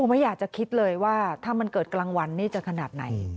ไม่อยากจะคิดเลยว่าถ้ามันเกิดกลางวันนี่จะขนาดไหน